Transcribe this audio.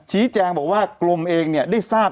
ชี้แจงบอกว่ากรมเองเนี่ยได้ทราบ